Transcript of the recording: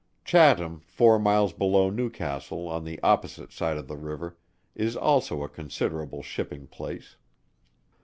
Chatham four miles below Newcastle on the opposite side of the river, is also a considerable shipping place.